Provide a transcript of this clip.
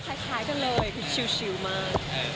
คล้ายกันเลยคือชิลมาก